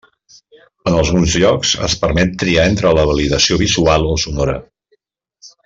En alguns llocs es permet triar entre la validació visual o sonora.